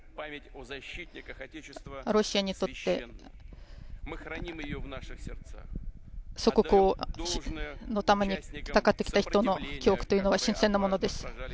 ロシアにとって祖国のために戦ってきた人の記憶というのは新鮮なものです。